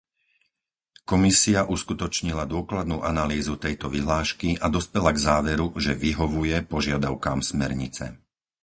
Komisia uskutočnila dôkladnú analýzu tejto vyhlášky a dospela k záveru, že vyhovuje požiadavkám smernice.